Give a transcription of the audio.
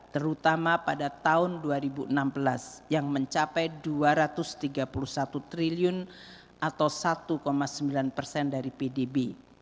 terutama pada tahun dua ribu enam belas yang mencapai dua ratus tiga puluh satu triliun atau satu sembilan persen dari pdb